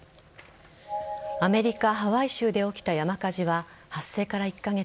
アメリカ・ハワイ州で起きた山火事は発生から１カ月。